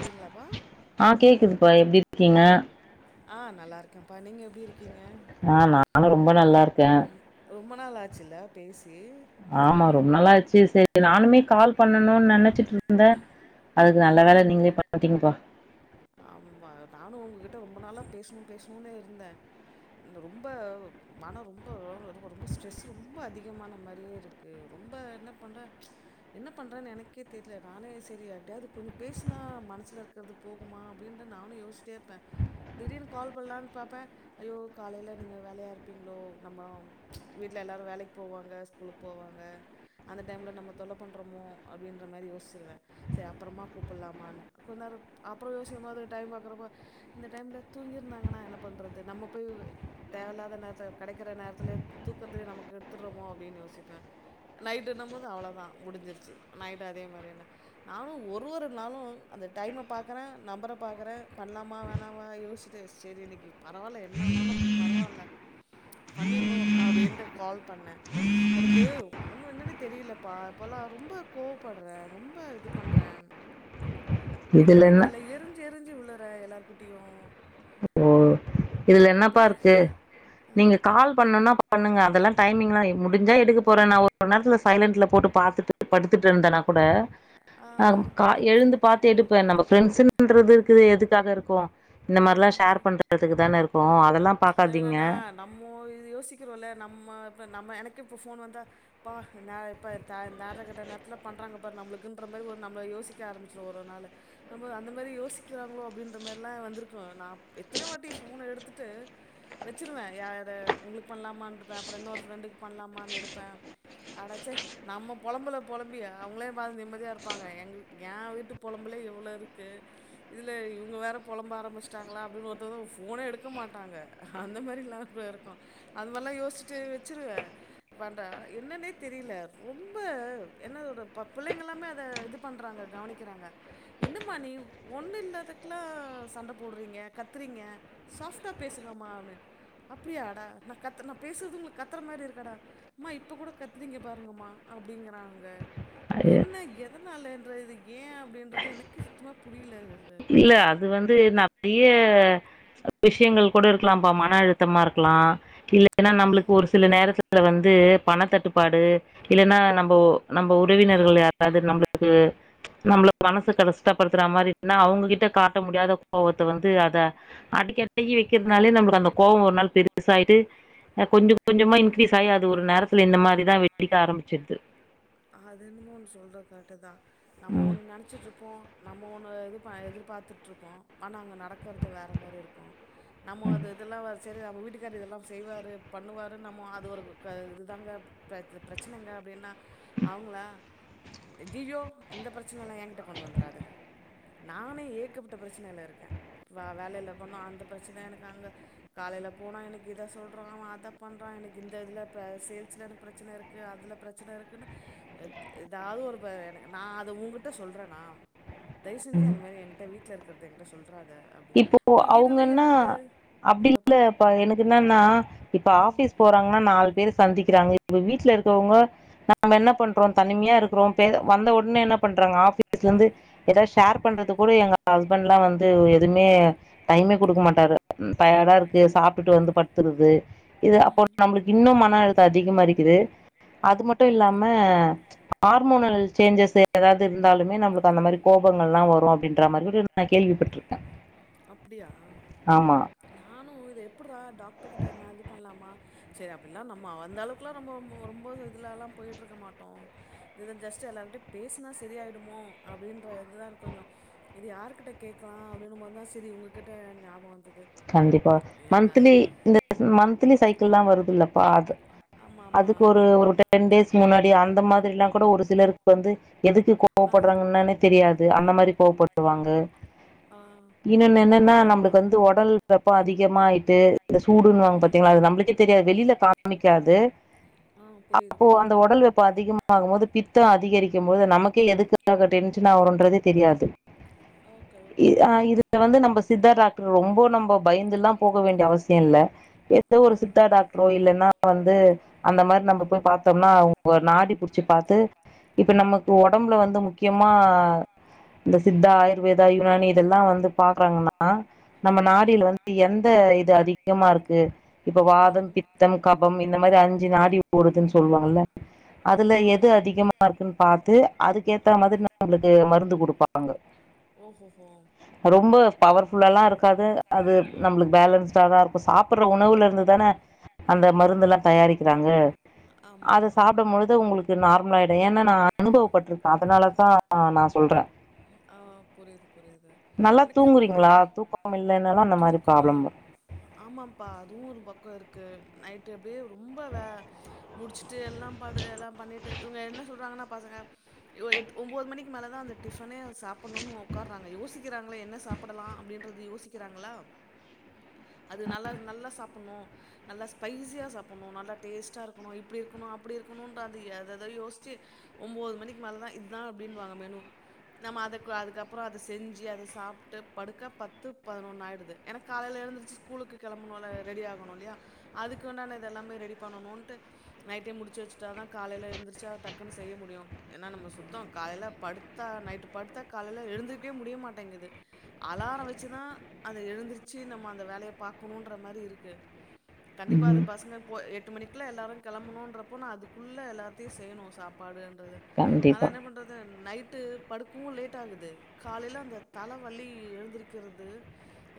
கேட்குதப்பா ஆ கேக்குதுப்பா எப்டி இருக்கீங்க? ஆ நல்லாய இருக்கேன்ப்பா நீங்கள் எப்படி இருக்கீங்க ஆ நானு ரொம்ப நல்லா இருக்கே. ரொம்ப நாள ஒ பேசி ஆமா ரொம்ப நல்லா ஆடுச்சு சரி கால் பண்ணணும்னு நினைச்சிட்டு அதுக்கு நல்ல வேலை நீங்களே பண்ணிட்டே பாப்ப ஆமா நானு உங்ககிட்ட ரொம்ப நாளா பேசணும் பேசணும்னே இருந்தே ரொம்ப மனம் ரொம்ப ரொ ரொம்ப ஸ்ட்ரெஸ் ரொம்ப அதிகமான மாரியே இருக்குது ரொம்ப என்ன பண்ற என்ன பண்ணுறான்ன்னு எனக்கே தெரியல நானே சரி அப்படியாது கொஞ்சம் பேசுினா மனசில் இருக்கிறது போகுமா அப்டின்னு நானும ஏயோசச்சிட்டே இருப்பேஙங் திடீனு கால் பண்ணலான்னு பாப்பேன் ஐயோ காலையில நீங்க வேலையா இருப்பீங்களோ நம்ம வீட்டுல எல்லாரு வேலைக்கு போவாங்க ஸ்கூலுக்கு போவாங்க அந்த டைமில் நம்ம தொல்ல பண்ணுறோமோ அப்படின்ற மாதிரி யோசிச்சுருவே சேரி அப்புறமா கூப்பிடலாமான்னு கொஞ்சோ நம் அப்புறம் யோசிக்க போது ஒரு டைம் பாறப்ப இந்த டைம்ல தூங்கிருந்தாங்கன்னா என்ன பண்றது நம்ம தேவ இல்லாத நேர்த்துல கடைக்கிற நேரத்துலே தூக்கத்திலே நமக்கு எடுத்துற்றோமோ அப்டின் யோசிப்பே நைட்டு நம்மதா அவ்ளதா முடிஞ்சிருச்சி நைட்டு அதே மாரி என்ன நானு ஒரு ஒரு நாளு அந்த டைம பா க்கறே நம்பர பாக்கறே பண்லாமா வேணாவா யோசிட்டு சேரி இன்னைக்கி பரவால்ல என்ன ஆனாலு பரவால்ல பண்ணின்னு அப்டின்ட்டு கால் பண்ணே எனக்கு ஒன்னும் என்னன்நனு தெரியலப்பா இப்பலாம் ரொம்ப கோவப்படுறே ரொம்ப இது பண்றே இதுல என்னன்னே என்ன தெல எரிஞ்சு எரிஞ்சு விழாரே எல்லார்கிட்டேயு இதல என்னபா இருக்கு நீங்கள் கால் பண்ணணும்னா பண்ணுங்க அதெல்லா டைமிங்லாம் முடிஞ்சா எடுக்க போறே நான் ஒரு நேரத்து சைலண்ட்ில் போட்டு பார்த்துட்டு படுத்துட்டு இருந்தேனா கூட ஆ எழுந்து ஆ பார்த்து தேடுப்பன் நம்ம பிரண்ட்ஸ்ன்றது இருக்கு எதுக்காக இருக்கு இந்த மாதிரிிலாம் ஷேர் பண்றது வேல இருக்கு அதெல்லாம் பாக்காதீங்க என்னன்னா நம்ம இத யோசிக்கிறோ இ நம்ம நம்ம எனக்கே இப்ப போன் வந்தா பா இப்பக்கட்ட நேத்துல பண்றாங்க பா நம்மளுக்குன்ற மாரி ஒரு நம்ம யோசிக்க ஆரம்பிச்சிடும் ஒரு நாள் நம்ம அந்த மாதிரி யோசிக்கிறாங்களோ அப்படின்ற மார்ரா வந்திருக்கு நா எத்தன வாட்டி போன எடுத்துட்டு வெச்சுருவேன் யார உங்களுக் பண்லாமான்ருப்பே அப்புற இன்னொரு ஃப்ரெண்டுக் பண்லாமான் எடுப்பே அடச்சை நம்ம பொழம்புல பொழம்பி அவங்களே பா நிம்மதியா இருப்பாங்க எங்களுக் எ வீட்டு பொல நம்பளே எவ்வளோ இருக்கு இதுல இவங்க வேற பொழம்ப ஆரம்ச்ட்டாங்களா அப்டின் ஒருத்தங்க ஃபோன்னே எடுக்க மாட்டாங்க அந்த மாரில்லா கூட இருக்கு அதுமார்ல்லா யோஸ்ட்டு வச்சிருவே பண்ற என்னன்னே தெரியில்ல ரொம்ப என்ன சொல்ற ப புள்ளைங்கல்லாமே அத இது பண்றாங்க கவனிக்கிறாங்க என்ன மா நீ ஒண்ணு இல்லாதக்கல்லா சண்ட போடுறீங்க கத்துறீங்க சாஃப்டா பேசுங்கமா அப்டின் அப்படியாடா நா கத்தற்னா நா பேசுறது உங்களுக் கத்தற மாரி இருக்காடா மா இப்ப கூட கத்துறீங்க பாருங்கமா அப்படிங்கறாங்க என்ன எதனாலன்ற இது ஏ அப்படின்றது எனக்கு சித்தமா புரியல அது இல்ல அது வந்து நா அப்டியே விஷயங்கள் கூட இருக்கலாம்ப்பா மன அழுத்தமா இருக்கலா இல்லைன்னா ஆ நம்பளுக் ஒரு சில நேரத் துல வந்து பணத்தட்டுப்பாடு இல்ன்னா நம்போ நம்ம உறவினர்கள் யாராது நம்பளுக்கு நம்பள மனச கடஷ்டப்படுத்தற மாரி அவ்ங்ககிட்ட காட்ட முடியாத கோவத்த வந்து அத அடிக்கி அடகி வைக்கிறதுனாலே நம்மளுக்கு அந்த கோவோ ஒரு நாள் பெரு சாய்ட்டு அ கொஞ்சோ கொஞ்சமா இன்க்ரீஸ் ஆகி அது ஒரு நேரத்துல இந்த மாரிதா வெடிக்க ஆரம்பிச்சிர்து அது என்னமோ ஒன் சொல்ற கர்ட்டு தா நம்மோ ம். ஒண்ணு நெனச்சிட்ருப்போ நம்ம ஒண்ணு இது ப எதிர்பாத்துட்டுருப்போ ஆனா அங்க நடக்கற்து வேற மாரி இருக்கு நம்மோ அது இதெல்லா வ சரி நம்ம வீட்டுக்கார் இதெல்லா செய்வாரு பண்ணுவாருன் நம்மோ அது ஒரு க இது தாங்க பிர இது பிரச்சனங்க அப்படின்னா அவங்களா ஜியோ இந்த பிரச்சனல்ல ஏங்கிட்ட கொண்டு வந்தராத நானே ஏக்கப்பட்ட பிரச்சனையில இருக்கே வா வேலையில போனா அந்த பிரச்சன எனக்கு அங்க காலையில போனா எனக்கு இத சொல்றா அவ அத பண்றா எனக்கு இந்த இதில் ப சேல்சில்ல எனக் பிரச்சன இருக் அதுல பிரச்சன இருக்குன்னு எது எதாவது ஒரு ப எனக் நா அத உகிட்ட சொல்றே னா தயவு செஞ்சு ம். அந்த மாரி எங்கிட்ட வீட்டுல இருக்கத என்ட்ட சொல்றாத அப்டி அப்ப வீடுல்லா யாரு அப்படி இல்ல என்னப்பா இப்ப எனக் என்னான்னா இப்ப ஆஃபீஸ் போறாங் னா நாலு பேர் சந்திக்கிறாங்க இப்ப வீட்டுல இருக்கிறவங்க நம்ம என்ன பண்றோ தனிமையா இருக்கிறோ பே வந்த ஒன்னே என்ன பண்றாங்க ஆபீஸ்ல இந்து எதா ஷேர் பண்றது கூட எங்க ஹஸ்பண்ட் எலா வந்து எ தும்மே டைம்மே குடுக்க மாட்டாரு டயாடா இருக்கு சாப்ட்டுட்டு வந்து பட்த்துற்து இது அப்போ நம்மளுக்கு இன்னு மன அழுத்த அதிகமா இருக்குது அது மட்டு இல்லாம ஹார்மோனல் சேஞ்சஸ் ஏதாவது இருந்தாலுமே நம்மளுக்கு அந்த மாதிரி கோபங்கள்லா வரு அப்டின்ற மாதிரி நா கேள்விப்பட்டிருக் அப்டியா ஆமா நானு இத எப்ட்ரா டாக்டர் கிட்ட என்ன இது பண்ணலாமா சரி அப்டிலா நம்ம அந்த அளவுக்குலா ரொம்பொ ரொம்ப இதுல எல்லா போயிட்டு இருக்க மாட்டோ துதா ஜஸ்ட் எல்லார்டடையு பேசுனா சரிய ஆயிடுமோ அப்டின்ற இதுதா கொஞ்சம் இது யார்கிட்ட கேக்கலா அப்படின்னும் போது தா செரி உங்ககிட்ட ஞாபோ வந்தது கண்டிப்பா ஏன்னா மந்த்லி இந்த மந்த்லி சைக்கில்லா வருதுல்லப்பா அது ஆமா ஆமா அதுக்கு ஒரு ஒரு டென் டேஸ் முன்னாடி அந்த மாதிரிலா கூட ஒரு சிலருக் வந்து எதுக்கு ஆ கோவப்பற்றாங்கன்னே தெரியாது அந்த மாரி கோவப்படுவாங்க ஆ இன்னொன்னு என்னன்னா அப்டிதாம்பா நம்மளுக்கு வந்து ஒ வெப்ப அதிகமா ஆயிட்டு இந்த சூடுன்னுவாங் ம் பாத்தீங்ளா அது நம்மளுக்கே தெரியாது வெளியில காமிக்காது ஆ புரியுது அப்போ அந்த புரியுது உடல் வெப்போ அதிகமாகு போது பித்தோ அதிகரிக்கு போது நமக்கே எதுக் அங்க டென்ஷன் ஆகுறோன்றது தெ தெரியாது ஓகே ஓகே இது அ இதுல வந்து நம்ம சித்தா டாக்டர் ரொம்போ நம்ம பயந்தெல்லா போக வேண்டிய அவசியோ இல்ல எந்த ஒரு ஆ சித்தா டாக்டரோ இல்லைன்னா வந்து அந்த மாதிரி நம்ம போய் பாத்தோம்னா உங்க நாடி பிடிச்சு பாத்து இப்ப நமக்கு ஒடம்புல வந்து முக்கியமா இந்த சித்தா ஆயுர்வேதா யுனானி இதெல்லா வந்து பாக்குறாங்கன்னா நம்ம நாட் வந்து எந்த இது அதிகமா இருக்கு இப்ப வாதம் பித்தம் கபம் இந்த மாதிரி அஞ்சு நாடி கூடுதுன்னு சொல்லுவாங்க அதுல சொல்லுவாங்க எது அதிகமா இருக்குன்னு பார்த்து அதுக்கு ஏத்த மாதிரி நம் அவங்களுக்கு மருந்து குடுப்பாங்க ஓ ஹோ ஹோம் ரொம்ப பவர்ஃபுல்லல்லா இருக்காது அது நம்மளுக்கு பேலன்ஸ்டா தா இருக்கு சாப்பிடுற உணவுல இருந்து தானே அந்த மருந்துலா தயாரிக்கிறாங்க ஆமாம்மா து உங்களுக்கு நார்மல் ஆயிடு ஏன்ன நா அனுபவப்பட்டிருக்கே அதனாலதா நா சொல்றே அ ஆ புரியுது புரியுது நல்லா எனக்கு ரொம்ப தூங்குறீங்களா நாள் தூக்கம் இல்லைனாலு அந்த மாரி தூக்கொ ப்ராப்ளம் எல்லா வரு ஆமாப்பா அதுவு ஒரு பக்கம் இருக்கு நைட்டு அப்டியே ரொம்ப வெ முடிச்சுட்டு எல்லா படு எல்லா பண்ணிட்டு இவங்க என்ன சொல்றாங்கன்னா பசங்க இ வொ எட் ஒன்பது மணிக்கு மேல தா அந்த டிஃபனே சாப்பிடும்னு உக்காறாங்க யோசிக்கிறாங்களே என்ன சா சாப்படலா அப்டின்றது யோசிக்கிறாங்களா அதனால நல்லா சாப்பிடணு நல்லா ஸ்பைசியா சாப்பிடணு நல்லா டேஸ்டா இருக்கணு இப்படி இருக்கணு அப்படி இருக்கணுட்டு அது எதா எதா யோசிச்சு ஒன்பது மணிக்கு மேலதா இதுதா அப்டினுவாங்க மெனு நம்ம அதுக்கு அதுக்கப்புறோ அத செஞ்சு அத சாப்ட்டு படுக்க பத்து பதினொன்னு ஆயிடுது எனக்கு காலையில எழுந்துருச்சு ஸ்கூலுக்கு கெளம்பணும்ல ரெடி ஆகணு இல்லையா அதுக்கு உண்டானத எல்லாமே ரெடி பண்ணனுட் நைட்டே முடிச்சு வச்சுட்டா தா காலையில எந்துருச்சு ச்ச டக்குன்னு செய்ய முடியு ஏன்னா நம்ம சுத்தோ காலையில படுத்தா நைட்டு படுத்தா காலையில எழுந்திருக்கவே முடியமாட்டேங்குது அலாரம் வச்சு தா அத எழுந்திருச்சு நம்ம அந்த வேலைய பார்க்கணுன்ற மாதிரி இருக்கு கண்டிப்பா அது ம் பசங்க போ எட்டு மணிக்குல எல்லாரு கிளம்பணுன்றப்போ நா அதுக்குள்ள எல்லா தியு செய்யணு சாப்பாடு என்றது ஆனா கண்டிப்பா என்ன பண்றது நைட்டு படுக்கவு லேட் ஆகுது காலையில அந்த தலவலி எந்திரிக்கிறது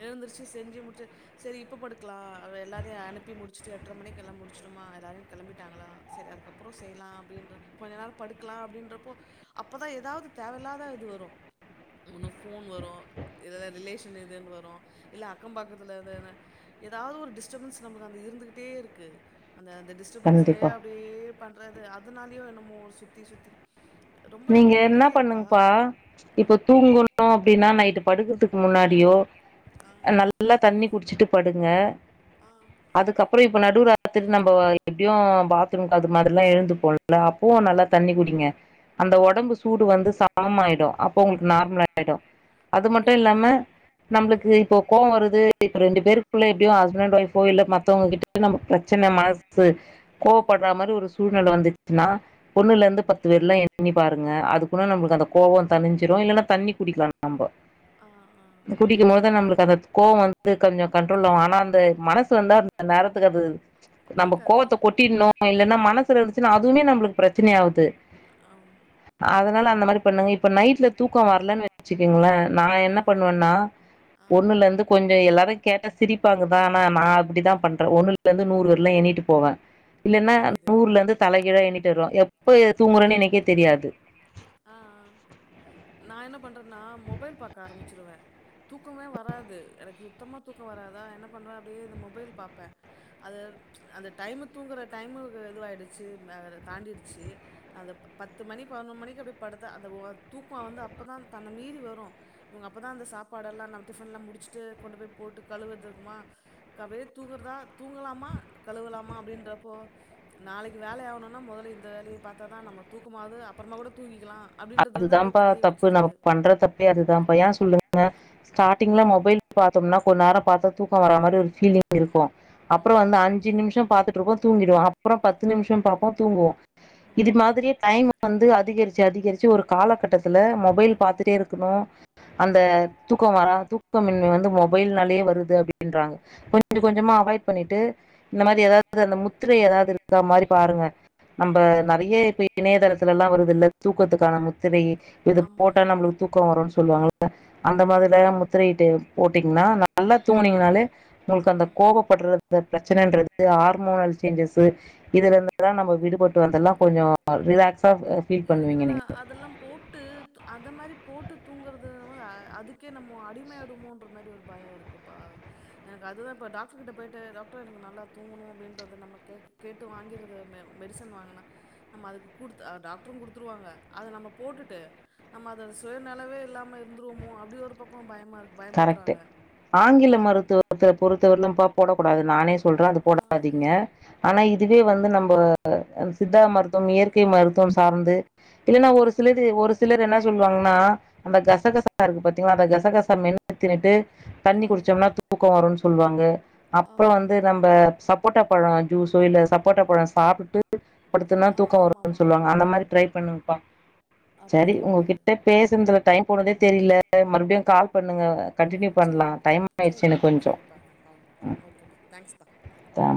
எழுந்திருச்சி செஞ்சு முடிச்சு சரி இப்ப படுக்கலா எல்லாரையு அனுப்பி முடிச்சுட்டு எட்டரை மணிக்கு எல்லா முடிச்சுட்டமா எல்லாரு கிளம்பிட்டாங்களா சரி அதுக்கப்புறோ செய்யலா அப்படின்ற கொஞ்ச நேரோ படுக்கலா அப்படின்றப்போ அப்பதா ஏதாவது தேவையில்லாத இது வரு ஒன்னு ஃபோன் வரு இல்ல ரிலேஷன் எதேன்னு வரு இல்ல அக்கம் பக்கத்துல எதுனா ஏதாவ்து ஒரு டிஸ்டர்பன்ஸ் நமக்கு அந்த இருந்துகிட்டே இருக்கு அந்த அந்த டிஸ்ட டிஸ்டபன்ஸ்லயே கண்டிப்பா அப்டியே பண்றது அதனாலயோ என்னமோ ஒரு சுத்தி சுத்தி ரொம்ப நீங்க எனக்கு என்னா முடியலப்பா பண்ணுங்ப்பா ம் இப்ப தூங்கணு அப்டினா நைட்டு படுக்கறதுக் முன்னாடியோ ஆ நல்லா தண்ணி குடிச்சிட்டு படுங்க ஆ அதுக்கப்றோ இப்ப நடுல [unintelligible] நம்ப எப்டியு பா த்ரூம் அது மாரிலா எழுந்து போவல அப்வு நல்லா தண்ணி குடிங்க அந்த ஆ உடம்பு சூடு வந்து காம் ஆயிடு அப்போ உங்ளுக்கு நார்மலாயிடு அது மட்டு அப்படியா இல்லாம ஆ நம்ளுக்கு இப்போ கோவ் வருது இப்ப ரெண்டு பேருக்குள்ள எப்டியோ ஹஸ்பண்ட் ஒய்ஃபோ இல்ல மத்தவங்கிட்ட ப்ரச்சன மனசு ம் கோவப்படுற மாரி ஒரு சூழ் நில வந்துச்ன்னா ஒண்ணுல இருந்து பத்து வர்லு எண்ணி பாருங்க அதுக்குள்ள நம்ளுக் அந்த கோவோ தனிஞ்சிரு இல்லைன்னா தண்ணி குடிக்கலா நாம்போ ஆஹ ஆஹ புரிது கோவோ வந்து கொஞ்ச கண்ட்ரோல் ஆனா அந்த மனசு வந்தா அந்த நேரத்துக்கு அது நம்ப கேக்காது கோவத்த கொட்டிர்ணு இல்லைன்னா மனசுல இருந்ச்னா அதுவுமே நம்ளுக்கு ப்ரச்சனை ஆக்து ஆம் அதனால அந்த மாரி பண்ணுங்க இப்ப நைட்ல தூக்கோ வர்லன் வெச்சுங்கங்ளே நா என்ன பண்வேன்னா ஆ ஒண்ணுலருந்து கொஞ்ச எல்லாரு கேட்டா சிரிப்பாங்கதா ஆனா நா அப்டிதா பண்றே ஒண்ணுல இருந்து நூறு வர்ல எண்ணிட்டு போவே இல்லைன்னா புரியுது நூர்ல இருந்து தலைகீழா எண்ணிட்டு வருவே எப்ப தூங்கறேன்னு எனக்கே தெரியாது ஆ நா என்ன பண்றேனா மொபைல் பாக்க ஆரம்பிச்சிருவே தூக்கமே வராது எனக் சுத்தமா தூக்கம் வராதா என்ன பண்றே அப்டியே இந்த மொபைல் பாப்பே அது அந்த டைம்மு தூங்குற டைம்மு இதுவாயிடுச்சு தாண்டிடுச்சு அந்த பத்து மணி பதினொரு மணிக் அப்டி படுத்தா அந்த தூக்கோ வந்து அப்பதா தன்ன மீறி வரு இவங்க அப்பதா அந்த சாப்பாடெல்லா நம் டிஃபன்ல்லா முடிச்சுட்டு கொண்டு போயி போட்டு கழுவதுக்குமா எனக் அப்டியே தூங்கற்தா தூங்கலாமா கழுவலாமா அப்டின்ற இப்போ நாளைக் வேல ஆகணுனா முதல்ல இந்த வேலையை பாத்தா தா நம்ம தூக்கமாது அப்புறமா கூட தூங்கிக்லா அப்டிதாப்பா தப்பு நம்ம பண்றது அதுதாபா யான் சொல்லுங் ஸ்டார்டிங்ல மொபைல் பாத்தம்னா கொ நேரோ பாத்தா தூக்கம் வர மாரி ஒரு பீலிங் இருக்கு அப்றோ ம் வந்து அஞ்சு நிமிஷோ பாத்துட்டு இருக்போது தூங்கிடுவ அப்றோ பத்து நிமிஷோ பாப்போ தூங்குவோ இது ம் மாரி டைம் வந்து அதிகரிச் அதிகரிச் ஒரு காலகட்டத்துல மொபைல் பாத்துட்டே இருக்ணு அந்த ஆ தூக்கம் வரா தூக்கமின்மை வந்து மொபைல் நாலயே வருது அப்டின்றாங் கொஞ்ச கொஞ்சமா அவாய்ட் பண்ணிட்டு இந்த மாரி ஏதாவ்து அந்த முத்திரை ஏதாவ்து இருக்கா மாரி பாருங்க நம்ப ஆ நெறைய இப்ப இணையதளத்துலல்லா வருதுல்ல தூ க்கத்துக்கான முத்திரை இது போட்டா ஆமாம்மா நம்ளுக் தூக்கோ வருனு சொல்லுவாங்கள அந்த ஆமா மாதிரிலா முத்திரையிட்டு போட்டீங்னா நல்லா தூங்ணிங்கனாலே உங்ளுக் அந்த கோபப்படுற அந்த ப்ரச்சனன்றது ஹார்மோனல் சேஞ்சஸூ இதுல இருந்துதா நம்ப விடுபட்டு வந்தல்லா கொஞ்சோ ரிலாக்ஸ் எனக்கென்னனா அதெல்லா போட்டு அந்த மாரி போட்டு தூங்குறது அதுக்கே நம்ம அடிமையாடுமோன்ற மாரி ஒரு பயோ இருக்குப்பா எனக் அதுதா இப்ப டாக்டர் கிட்ட போயிட்டு டாக்டர் எனக்கு நல்லா தூங்குணு அப்டின்றத நம்ம கே கேட்டு வாங்கிறத மெ மெடிசன் வாங்கனா நம்ம அது குடுத் அ டாக்ட்ரு குடுத்துருவாங்க அத நம்ம போட்டுட்டு நம்ம அத சுயநலவே இல்லாம இர்ந்ருவமோ அப்டி ஒரு பக்கோ பயமாருக் கரெக்ட்டு ஆங்கில மருத்துவத்த பொறுத்த வந்தும்பா போடக்கூடாது நானே சொல்ற அது ஆ போடாதீங்க ஆனா இதுவே வந்து நம்ப அ சித்தா மருத்துவம் இயற்கை மருத்துவம் சார்ந்து இல்லேன்னா ஆ ஒரு சிலது ஒரு திலர் என்னா சொல்லுவாங்னா அந்த கசகசா இருக்கு பாத்தீங்ளா அந்த கசகசா மென் தின்னுட்டு தண்ணி ஆ குடிச்சோம்னா தூக்கோ வருன் சொல்வாங்க அப்றோ வந்து ஆஹா நம்ம சப் போட்டா பழ ஜூஸோ இல்ல சப்போட்டா பழ சாப்புட்டு பாடுத்தன்னா ஆ தூக்க வருன் ஆமாம்மா சொல்வாங்க அந்த மாரி ட்ரை பண்ணுங்ப்பா சரி அப்படியா உங்குகிட் டே பேசுன்துல டைம் போனதே தெரிய்ல மறுப்டியு கால் பண்ணுங்க கன்ட்டின்யூ பண்லா சரிப்பா டைம் ஆயிர்ச்சு எனக் சரிப்பா கொஞ்சோ சரிப்பா நான் கால் அ பண்ணுறேன் ஓகேப்பா தேங்க்ஸ்ப்பா தேங்க்யூ தா